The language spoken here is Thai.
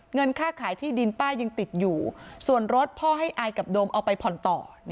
เงินค่าขายที่ดินป้ายังติดอยู่ส่วนรถพ่อให้อายกับโดมเอาไปผ่อนต่อ